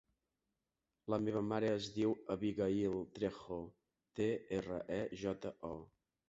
La meva mare es diu Abigaïl Trejo: te, erra, e, jota, o.